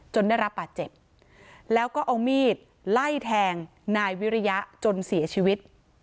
ได้รับบาดเจ็บแล้วก็เอามีดไล่แทงนายวิริยะจนเสียชีวิต